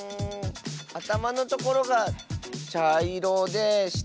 あたまのところがちゃいろでしたがしろ？